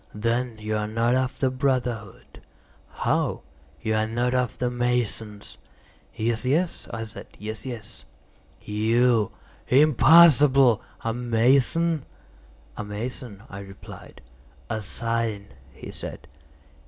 "Then you are not of the brotherhood." "How?" "You are not of the masons." "Yes, yes," I said, "yes, yes." "You? Impossible! A mason?" "A mason," I replied. "A sign," he said.